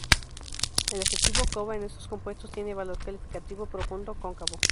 El adjetivo "cova" en estos compuestos tiene valor calificativo: profundo, cóncavo.